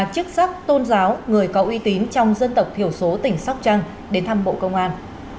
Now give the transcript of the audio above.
chức sắc tôn giáo người có uy tín trong dân tộc thiểu số tỉnh sóc trăng đến thăm bộ công an